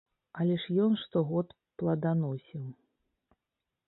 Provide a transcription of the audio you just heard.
Але ж ён штогод пладаносіў.